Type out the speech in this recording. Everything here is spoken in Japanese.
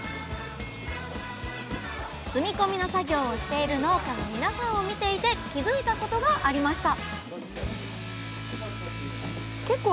積み込みの作業をしている農家の皆さんを見ていて気付いたことがありました